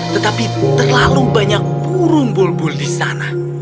tetapi terlalu banyak burung bul bul di sana